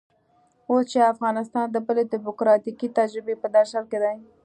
اوس چې افغانان د بلې ډيموکراتيکې تجربې په درشل کې دي.